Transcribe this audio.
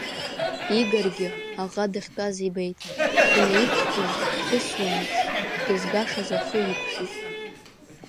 Игоргьы аӷа дахьтәаз ибеит, инаиқәкны дхысуан еиԥш, дызгашаз ахы иқәшәеит.